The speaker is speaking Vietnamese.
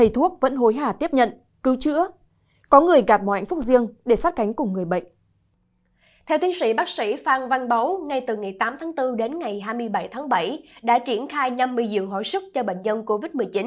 từ ngày tám tháng bốn đến ngày hai mươi bảy tháng bảy đã triển khai năm mươi dường hội sức cho bệnh nhân covid một mươi chín